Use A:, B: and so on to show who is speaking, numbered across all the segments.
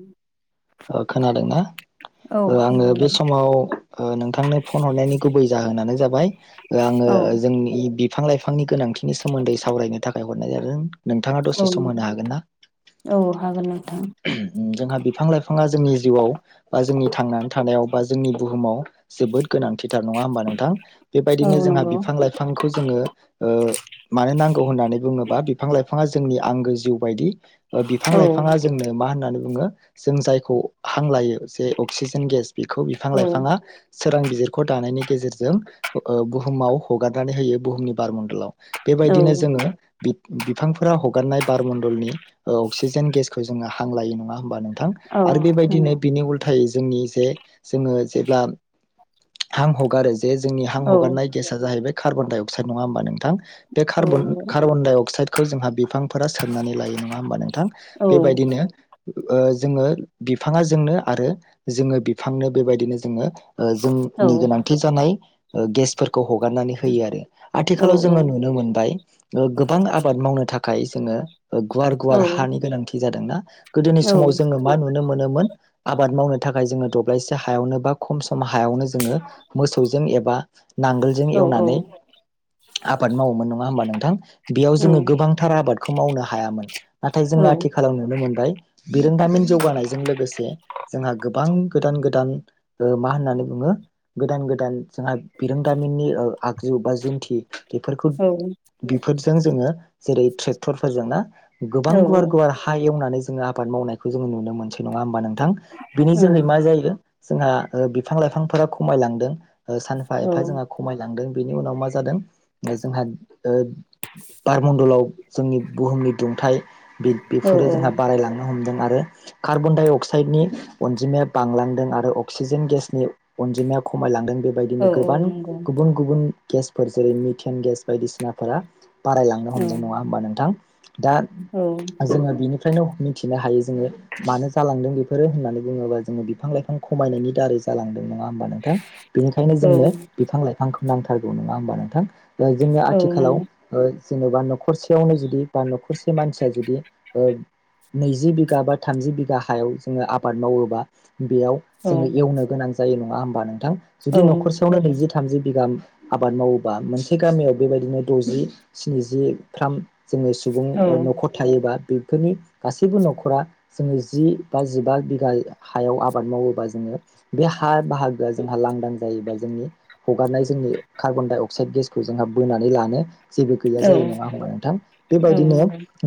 A: उम।
B: ओ खोनादोंना?
A: औ
B: ़ आङो बे
A: खोनादों
B: समाव ओ नोंथांनो फन हरनायनि गुबै जाहोनानो जाबाय आङो जोंनि फां लाइफांनि गोनांथिनि सोमोन्दै सावरायनो थाखाय हरनाय जादों। नोंथाङा
A: नोंथां औ
B: दसे सम होनो हागोन ना?
A: औ हागोन नोंथां
B: नोंथांया बिफां लाइफाङा जोंनि जिउआव ओ जोंनि थांनानै थानायाव बा जोंनि बुहुमाव जोबोद गोनांथिथार नङा होमबा नोंथां?
A: औ
B: बेबायदिनो जोंहा
A: नंगौ
B: बिफां लाइफांखौ जोङो ओ मानो नांगौ होननानै बुङोबा बिफां लाइफाङा जोंनि आंगो जिउ बायदि ओ बिफां
A: औ
B: लाइफाङा जोंनो मा होननानै बुंयो जों जायखौ हां लायो जे अक्सिजेन गेस बेखौ बिफां
A: औ
B: लाइफाङा सोरांबिजिरखौ दानायनि गेजेरजों ओ बुहुमाव हगारनानै होयो बुहुमनि बारमणडलाव।
A: औ
B: बेबायदिनो जोङो बिफांफोरा हगारनाय बारमण्डलनि अक्सिजेन गेसखौ जोङो हां लायो नङा होमबा नों
A: औ
B: आरो
A: नंगौ
B: बेबायदिनो बिनि उल्थायै जोंनि जे जोङो जेब्ला हां हगारो जे जोंनि हां
A: औ
B: हगारनाय गेसआ जाहैबाय कारबनडाइअकसाइड नङा होनबा नोंथां? बे
A: नंगौ औ
B: कार्बन दडाइ अक्साइडा खौ जोंहा बिफां फोरा सोमनानै लायो नङा होमबा नोंथां
A: औ
B: बेबायदिनो ओ जोङो बिफांआ जोंनो आरो जोङो बिफांनो बेबायदिनो जोङो ओ जोंनि गोनांथि जानाय ओ गेसफोर खौ हगारनानै होयो आरो आथिखालाव जोङो नुनो मोनबाय गोबां आबाद मावनो था खाय जोङो गुवार गुवार हानि गोनांथि जादोंना गोदोनि
A: औ
B: समाव
A: औ नंगौ औ नंगौ औ नंगौ औ
B: जोङो मा नुनो मोन निमोन आबाद मावनो थाखाय जोंनो दंब्लाइसे हायावनो बा खरसे खम हायावनो जोङो मोसौ जों एबा नांगोलजों
A: औ
B: एवनानै आबाद मावोमोन नङा होमबा नोंथां बेयाव जोङो गोबांथार आबाद खौ मावनो हायामोन नाथाय जों आथिखालाव नुनो मोनबाय जौगानायजों लोगोसे जोंहा गोबां गोदान गोदान ओ मा होन्नानै बुङो गोदान गोदान जोंहा बिरोंदामिननि ओ आगजु बा जुन्थि बेफोरखौ बेफोरजों जोङो जेरै ट्रेक्टरफोरजों ना। गोबां गुवार गुवार हा एवनानै जों [unintelligible] बाद मावनायखौ जों नुनो मोनसै नङा होमबा नों थां बिनि जोहै मा जायो? जोंहा ओ बिफां लाइफांफोरा खमायलांदों। ओ सानफा एफा जोंहा खमायलांदों। बेनि उनाव मा जादों जोंहा ओ बारमणडलाव जोंनि बुहुमनि दुंथाइ बे बेफोरो जोंहा बारायलाङो। आरो कार्बन डाइ अक्साइडनि अनजिमाया बांलांदों आरो अक्सिजेन गेसनि अनजिमाया खमायलांदों। बेबायदिनो गोबां गुबुन गुबुन गेसफोरजों मिटेन गेस बायदिसिनाफोरा बारायलांनो हमदों नङा होमबा नोंथां? दा जोङो बिनि [unintelligible] मिथिनो हायो जोङो मानो जालांदों बेफोरो होननानै बुङोबा जोङो बिफां लाइफां खमायनायनि दारै जालांदोंमोन। नङा होमबा नोंथां बेनिखायनो जोंनो बिफां लाइफांखो नांथारगौ नङा होमबा नोंथां। ओ जोंनि आथिखालाव ओ जेन'बा न'खरसेयावनो जुदि बा न'खरसे मानसिया जुदि ओ नैजि बिगा बा थामजि बिगा हायाव जोङो आबाद मावोबा बेयाव जोङो एवनो गोनां जायो नं नङा होमबा नों थां जुदि न'खरसेयावनो नैजि थामजि बिगाम आबाद मावोबा मोनसे गामियाव बेबायदिनो द'जि स्निजिफ्राम जोङो सुबुं ओ न'खर थायोबा बि फोरनि गासैबो न'खरा जोङो जि बा जिबा बिघा हायाव आबाद मावोबा जोङो बे हा बाहागोआ जोंहा लांदां जायोबा जोंनि हगारनाय जोंनि कार्बन डाइ अक अक्साइड गेसखौ जोंहा बोनानै लानो जेबो गैया जायो नङा होमबा नोंथां बेबायदिनो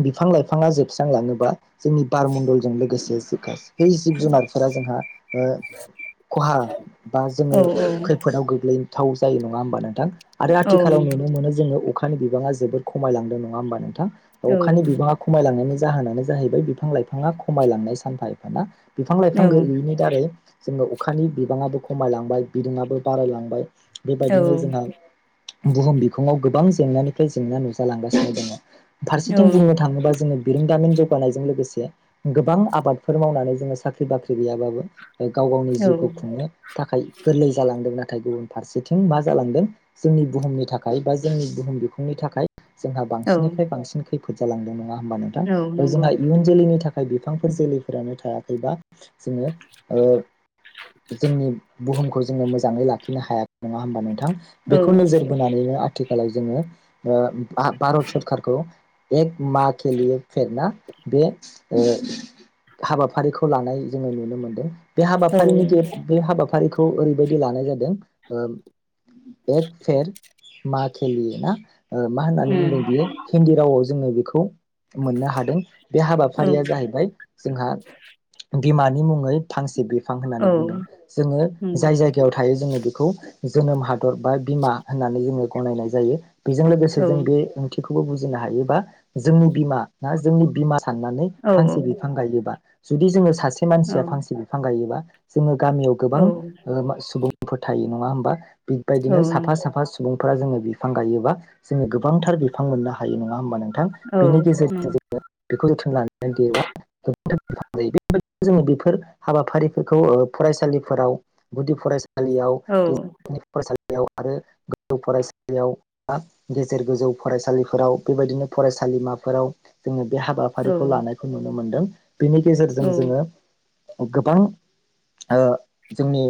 B: बिफां लाइफां बिफाङा जोबस्रांलाङो। जोंनि बारमण्डलजों लोगोसे गासै बै जिब जुनारफोरा जोंहा ओ खहा बा जोङो खैफोदाव गोग्लै थाव जायो नङा होमबा नोंथां। आरो आथिखालाव नुनो मोनो जोङो खानि बिबाङा जोबोर खमायलांदो नङा होमबा नोंथां? अखानि बिबाङा खमायलांनायनि जाहोनानो जाहैबाय बिफां लाइफाङा खमायलांनाय सानफा एफा ना बिफां लाइफां गैयिनि दारै जोङो अखानि बिबाङाबो ख खमायलांबाय बिदुंआबो बारायलांबाय बेबायदिनो जोंहा बुहुम बिखङाव गोबां जेंनानिफ्राय जेंना नुजालांगासिनो दङ'
A: औ
B: फारसेथिं बुंनो थाङोबा जोङो बिरों दामिन जे गानायजों लोगोसे गोबां आबादफोर मावनानै जोङो साख्रि बाख्रि गैयाबाबो गाव गावनि
A: औ
B: जिउखौ खुंनो थाखाय गोरलै जालांदों ना थाय गुबुन फारसेथिं मा जालांदों जोंनि बुहुमनि थाखाय बा जोंनि बुहुम बिखुंनि थाखाय जोंहा
A: औ
B: बांसिननिफ्राय बांसिन खै फोद जालांदों नङा होमबा
A: औ
B: नोंथां‌
A: नंगौ
B: जोंहा इयुन जोलैनि थाख खाय बिफांफोर जोलैफोरानो थायाखै बा जोङो ओ जोंनि बुहुमखौ जोङो मोजाङै लाखिनो हाया नङा होनोमबा नों थां
A: औ
B: बेखौ नोजोर बोनानैनो आथि [unintelligible] जोङो भा-भारत सोरखारारखौ एक मा केलि फेर ना बे ओ‌ हाबाफारिखौ लानाय जोङो नुनो मोनदों बे
A: औ
B: हाबाफारिनि बे हाबाफारिखौ खौ ओरैबायदि लानाय जादों ओ एक फेर मा केलि ना ओ मा होननानै
A: उम
B: बुंदों बियो हिन्दी रावआव जोङो बेखौ मोननो हादों बे
A: औ
B: हाबाफारिया जाहैबाय जोंहा बिमानि मुङै फांसे बिफ फां‌
A: औ
B: ह़न्नानै बुंदोन जोङो
A: नंगौ
B: जाय जायगायाव जायों जोङो खौ जोनोम हादर बा बिमा होननानै जोङो गनायनाय जायो बेजों लोगोसे
A: औ
B: जों बे ओंथिखौ खौबो बुजिनो हायोबा जोंनि बिमा ना जोंनि बिमा । साननानै
A: औ
B: फांसे बिफां गायोबा । जुदि जोङो सास। सासे
A: औ
B: मानसिया फांसे बिफां गायोबा । जोंङो। गामियाव
A: औ
B: गोबां ओ-सुबुं । फोर थायो नङा होमबा? बेबायदिनो साफा साफा सुबुं । फोरा जोङो बिफां गायोबा जोङो गोबांथार बिफां मोननो हायो नङा होमबा नों । थां बेनि गेजेरजों। [unintelligible] [unintelligible] जों बेफोर हाबाफारिफोरखौ फरायसालिफोराव गुदि फरायसा। लियाव। [unintelligible] बेव-आरो गोजौ- फरायसालियाव बा गेजेर गोजौ फरायसालिफोराव बेबायदिनो फरायसालिमाफोराव। जोङो। बे हाबाफारिखौ लानायखौ नुनो मोनदों। बिनि गेजेरजों जोङो। गोबां ओ- जोंनि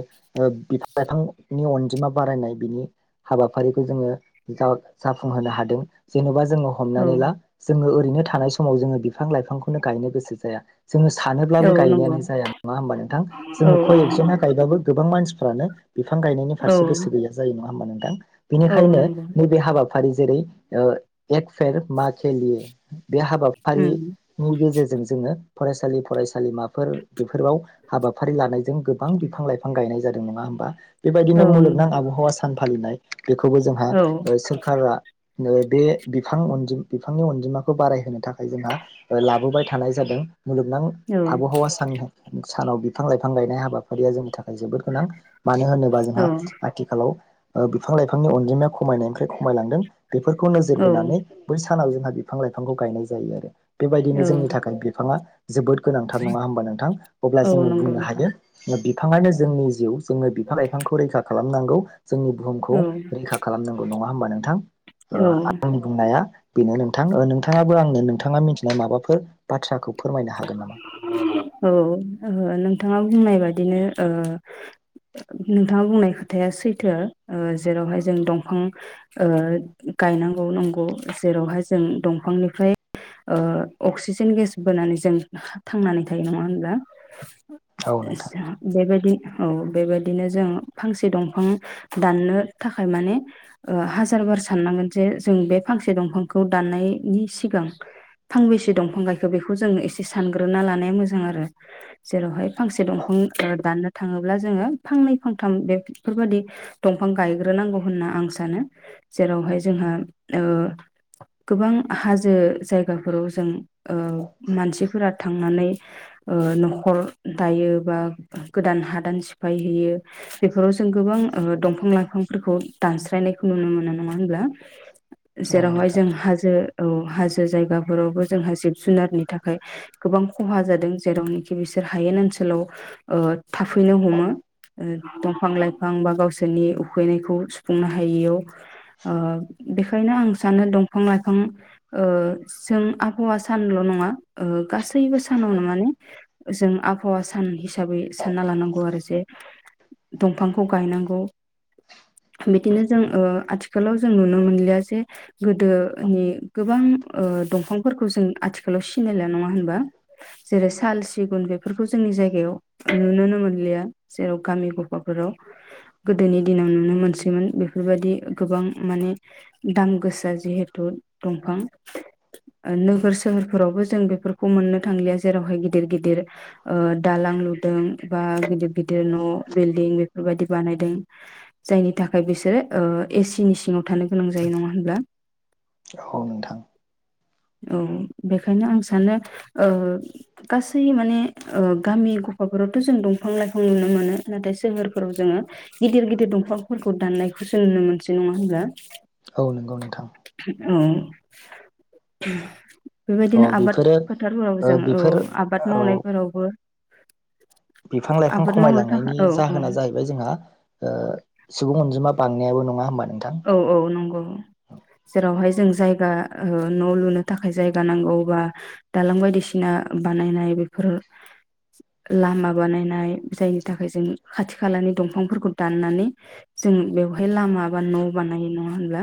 B: बिफां लाइफांनि अनजिमा बारायनाय बिनि हाबाफारिखौ जोङो जाउ-जाफुंहोनो हादों जेनेबा। जोङो हमनानै ला जोङो। बिनो [inaudible] थानाय समाव जोङो बिफां लाइफांखौनो गायनो गोसो जाया। जोङो सानोब्लाबो
A: औ नंगौ औ नंगौ औ नंगौ
B: गायनायानो जाया नङा होमबा नोंथां
A: औ
B: जोङो खय एकजना गायबाबो गोबां मानसि। फोरानो। बिफां गायनायनि फारसे
A: औ
B: गोसो गैया जायो न। होमबा नोंथां।
A: औ
B: बिनिखायनो
A: नंगौ
B: नैबे हाबा। फारि जेरै एक फेर मा खिलियो। बे
A: उम
B: हाबाफारिनि गेजेरजों जोङो। फरायसालि फरायसालिमाफोर बेफोराव हाबाफारि लानायजों गोबां बिफां लाइफां गायनाय जादों नङा होमबा।
A: औ
B: बेबायदिनो
A: नंगौ
B: मुलुगनां आबहावा। आं फालिनाय। बेखौबो जोंहा
A: औ
B: सोरखारा बे बिफां अनजि। बिफांनि अनजिमा। खौ बारायहोनो थाखाय जोंहा लाबोबाय थानाय जादों। मुलुगनां
A: औ
B: आबहावा साननो सानाव बिफां लाइफां गायनाय हाबाफारिया जोंनि थाखाय जोबोद गोनां । मानो होनोबा जोंहा आथिखालाव ओ बिफां लाइफांनि अनजिमाया खमायनायनिफ्राय खमायलांदों बेफोरखौ नोजोर
A: औ
B: बोनानै बै सानाव जोंहा बे बिफां लाइफांखौ गायनाय जायो आरो बेबायदिनो जोंनि
A: औ
B: थाखाय बिफाङा जोबोद गोनांथार नङा होमबा नोंथां अब्ला
A: औ
B: जोङो
A: नंगौ
B: बुंनो
A: नोंथां
B: हायो [unintelligible] बिफाङानो जोंनि जिउ जोङो बिफां लाइफांखौ रैखा खालामनांगौ । जोंनि बुहुमखौ
A: औ
B: रैखा खालामनांगौ । नङा होनोमबा नोंथां? ओ
A: औ
B: आंनि बुंनाया बिनो नों थां ओ नोंथाङाबो आंनो नोंथाङा मिथिनाय माबाफोर बाथ्राखौ फोरमायनो हागोन नामा
A: औ । ओ नोंथाङा बुंनाय बादिनो ओ नोंथाङा बुंनाय खोथाया सैथो ओ जेरावहाय जों दंफां ओ गायनांगौ नंगौ जेरावहाय जों दंफांनिफ्राय ओ अक्सिजेन गेस बोनानैस जों थांनानै थायो नङा होनब्ला?
B: औ नोंथां
A: इसा बेबायदि औ बेबायदिनो जों फांसे दंफां दाननो थाखाय माने ओ हाजार बार साननांगोन जे जों बे फांसे दंफांखौ दाननायनि सिगां फांबेसे दंफां गायखो बेखौ जों एस सानग्रोना लानाया मोजां आरो जेरावहाय फांसे दंफां ओ दाननो थाङोब्ला जोङो फांनै फांथाम बेब बेफोरबादि दंफां गायग्रोनांगौ होनना आं सानो जेरावहाय जोंहा ओ गोबां हाजो जायगाफोराव जों ओ मानसिफ फोरा थांनानै ओ न'खर दायो । बा गोदान हादान सिफाय हैैयो बेफोराव जों गोबां ओ दंफां लाइफांफोरखौ दानस्रायनायखौ नुनो मोनो नङा होनब्ला?
B: औ
A: जेराव हाय
B: नोंथां
A: जों हाजो औ हाजो जायगाफोरावबो जोंहा जिब जुनारनि थाखाय गोबां खहा जादों जेरावनोखि बिसोर हायेन ओनसोलाव ओ थाफैनो हमो ओ दंफां लाइफां बा गावसोरनि उखैनायखौ सुफुंनो हायैयाव ओ बेखायनो आं सानो दंफां लाइफां ओ जों आबहावा सानल' नङा ओ गासैबो सानावनो माने जों आबहावा सान हिसाबै सानना लानांगौ आरो जे दंफांखौ गायनांगौ बिदिनो जों ओ आथिखालाव जों नुनो मोनलिया जे गोदोनि गोबां ओ दंफांफोरखौ जों आथिखालाव सिनायला नङा होन बा जैरै साल सिगुन बेफोरखौ जोंनि जायगायाव नुनोनो मोनलिया जेराव गामि गफाफोराव गोदोनि दिनाव नुनो मोनसैमोन बेफोरबायदि गोबां माने दाम गोसा जिहेथु दंफां ओ नोगोर सोहोर फोरावबो जों बेफोर खौ मोननो थांलिया जेरावहाय गिदिर गिदिर ओ दालां लुदों । बा गिदिर गिदिर न' बिल्डिं बेफोर बायदि बानायदों । जायनि थाखाय बिसोरो ओ एसिनि सिङाव थानो गोनां जायो नङा होनब्ला?
B: औ नोंथां ।
A: औ बेखायनो आं सानो ओ गासै माने ओ गामि गफाफोरावथ' जों दंफां लाइफां नुनो मोनो । नाथाय सोहोरफोराव जोङो गिदिर गिदिर दंफांफोरखौ दान्नायखौसो नुनो मोनसै नङा होनब्ला ।
B: औ नंगौ नोंथां ।
A: [unintelligible]
B: अ
A: बेबायदिनो आबाद
B: बेफोरो ओ
A: फोथारफोराव जों औ
B: बेफोर
A: आबाद
B: औ
A: मावनायफोरावबो
B: बिफां लाइफां
A: आबाद मावनो थाखाय
B: खमायलांनायनि
A: औ औ
B: जाहोना जाहैबाय जोंहा ओ सुबुं अनजिमा बांनायाबो नं [unintelligible]
A: औ औ नंगौ जेरावहाय जों जायगा ओ न' लुनो थाखाय जायगा नांगौ बा दालां बायदिसिना बानायनाय बेफोर लामा बानायनाय जायनि थाखाय जों खाथि खालानि दंफांफोरखौ दाननानै जों बेवहाय लामा बा न' बानायो नङा होनब्ला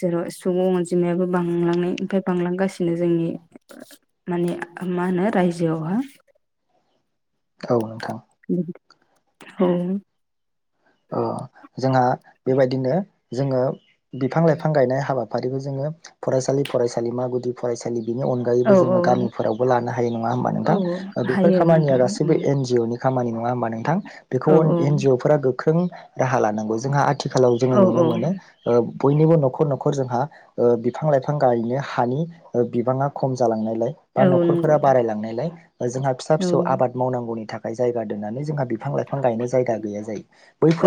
A: जेराव सुबुं अनजिमायाबो बांलांनायफाय बांलांगासिनो जोंनि माने मा होनो रायजोआव हा
B: औ नोंथां ।
A: उम औ
B: ओ जोंहा बेबायदिनो जोङो बिफां लाइफां गायनाय हाबाफारिखौ जोङो फरायसालि फरायसालिमा गुदि फरायसालि । बेनि
A: औ
B: अनगायैबो जोङो गामिफोरावबो लानो हायो नङा होमबा
A: औ
B: नोंथां ओ बेफोर
A: हायो
B: खामानिया
A: नोंथां
B: गासैबो एन जिअनि खामानि नङा हबा नोंथां
A: औ
B: बेखौ एन जिअ फ्रा गोब ख्रों राहा लानांगौ जोंहा आथ थिखालाव जोङो
A: औ
B: नुनो मोनो ओब बयनिबो न'खर न'खर जोंहा ओ बिफां लाइफां गायनो हानि बिबाङा खम जालांनाय बा
A: औ नंगौ
B: न'खरफोरा बारायलांनायलाय ओ जोंहा फिसा
A: औ
B: फिसौ आबाद मावनांगौनि थाखाय जायगा दोननानै जोंहा बि फां लाइफां गायनो जायगा गैया जायो।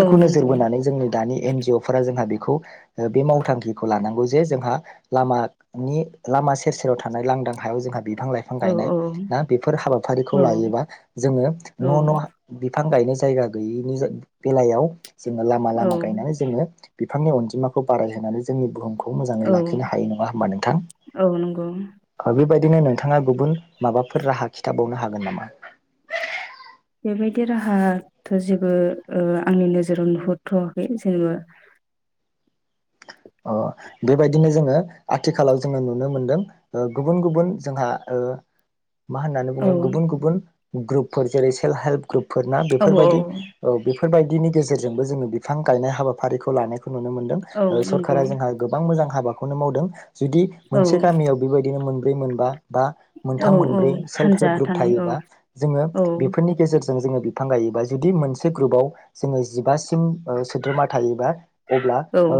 A: औ
B: नोजोर
A: नंगौ
B: बोनानै जोंनि दानि एन जि अ फोरा जोंहा बेखौ ओ बे मावथांखिखौ लानांगौ जे जोंहा लामानि लामा सेर सेराव थानाय लांदां हायाव जोंहा बिफां लाइफां
A: औ
B: गायनाय
A: औ
B: ना बेफोर हाबाफारिखौ लायोबा जोङो
A: औ
B: न' न' बिफां गायनो जायगा गैयिनि जा बेलायाव जोङो लामा
A: औ
B: लामा गायनानै जोङो बिफांनि अनजिमाखौ बारायहोनानै जोंनि बुहुमखौ मोजाङै लाखिनो हायो नङा होमबा
A: औ नंगौ
B: नोंथां बेबायदिनो नोंथाङा गुबुन माबाफोर राहा खिथाबावनो हागोन नामा?
A: बेबायदि राहाथ' जेबो ओ आंनि नोजोराव नुहुरथ'वाखै जेनेबा
B: ओ बेबायदिनो जोङो आथिखालाव जोङो नुनो मोनदों ओ गुबुन गुबुन जोंहा ओ मा होननानै
A: औ
B: बुङो गुबुन गुबुन ग्रुपफोर जेरै सेल्फ हेल्प ग्रपफोरना
A: औ औ
B: बेफोरबायदि औ बेफोर बायदिनि गेजेरजोंबो जोङो बिफां गायनाय हाबाफारिखौ लानाय नुनो मोनदों
A: औ
B: ओ सर
A: नंगौ
B: कारा जोंहा गोबां मोजां हाबाखौनो मावदों। जुदि
A: औ
B: मोनसे गामियाव बेबायदिनो मोन ब्रै, मोनबा बा
A: औ
B: मोनथाम,
A: औ
B: मोनब्रै सेल्फ
A: हानजा
B: हेल्प ग्रुप
A: थानाय औ
B: थायोबा जोङो
A: औ
B: बेफोरनि गेजेरजों जों जोङो बिफां गायोबा जुदि मोनसे ग्रुपाव जोङो जिबासिम ओ सोद्रोमा थायोबा अब्ला
A: औ
B: ओ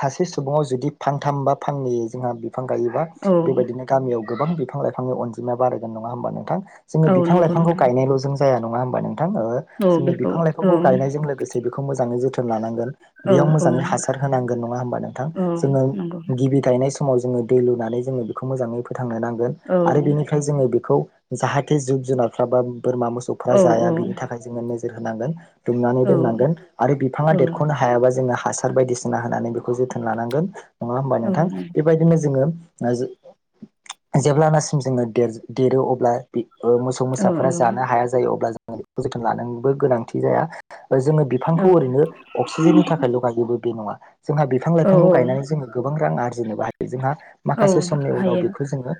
B: सासे सुबुङाव जुदि फानथामबा फाननै जोंहा बिफां गायोबा
A: औ
B: बेबायदिनो गामियाव गोबां बिफां लाइफांनि अनजिमा बारायगोन नङा होमबा नोंथां? जोङो
A: औ
B: बिफां
A: नंगौ
B: लाइफांखौ
A: नोंथां
B: गायनायल'जों जाया नङा होमबा नों थां ओ
A: औ
B: जोङो
A: बेखौ
B: बिफां लाइफांखौ
A: औ
B: गायनायजों लोगोसे बेखौ मोजाङै जोथोन फोर लानांगोन।
A: औ
B: बेयाव
A: औ
B: मोजाङै हासार होनां गोन नङा होमबा नोंथां?
A: औ
B: जोङो
A: नंगौ
B: गिबि गाइनायस समाव जोङो दै लुनानै जोङो बे मोजाङै फोथ थांनो नांगोन
A: औ
B: आरो बेनिफ्राय जोङो बेखौ जाहाथे जिब जुनारफ्रा बा बोरमा मोसौफ्रा
A: औ
B: जाया बेनि थाखाय जोङो नोज जोर होनांगोन दुमनानै
A: औ
B: दोननांगोन आरो बिफाङा
A: औ
B: देरख'नो हायाबा जोङो हा हासार बायदिसि ना होनानै बेखौ जोथोन लानांगोन। नङा होमबा नोंथां बेबायदिनो जोङो ओ जे जेब्लानासिम जोङो दे देरो अब्ला बि ओ मोसौ मोसाफोरा जानो हाया जायो अब्ला बिखौ लादोंबो गोनांथि जाया जोङो बिफांखौ ओरैनो अक्सिजेननि थाखायल' गायोबो बे नङा जोंहा बिफां
A: औ
B: लाइफांखौ गायनानै जोङो गोबां रां आर [unintelligible]
A: औ
B: माखासे समनि उनाव
A: हायो
B: बेखौ जोङो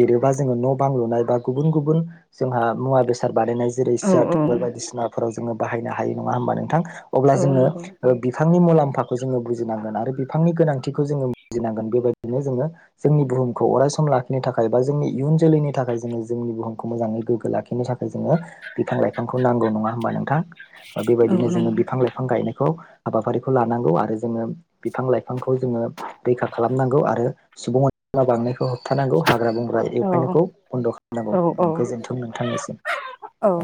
B: देरोबा जोङो न' बां लुनाय बा गुबुन गुबुन जोंहा मुवा बेसाद बानायनाय जेरै
A: औ
B: सियार
A: औ
B: थेबोल बायदिसिनाफोराव जोङो बाहायनो हायो नङा होमबा नोंथां अब्ला
A: औ
B: जोङो
A: नंगौ
B: बिफांनि मुलाम फाखौ जो जोङो बुजिनांगोन आरो बिफांनि गोनांथिखौ जोङो बुजिनांगोन बेबायदिनो जोङो जोंनि बुहुमखौ अरायस लाखिनो थाखाय बा जोंनि इयुन जोलैनि थाखाय जोङो जोंनि बुहुमखौ मोजायै गोगो लाखिनो था जोङो बिफां लाइफांखौ नांगौ नङा होमबा नोंथां
A: औ
B: बेबायदिनो जोङो
A: नंगौ
B: बिफां लाइफां गायनायखौ हाबाफारिखौ लानांगौ आरो जोङो बिफां-लाइफांखौ जोङो रैखा खालामनांगौ आरो सुबुं अनजिमा बांनायखौ होबथानांगौ हाग्रा-बंग्रा एवफायनायखौ
A: औ
B: बन्द'
A: औ
B: खालामनांगौ गोजोनथों नोंथांनिसिम।
A: औ औ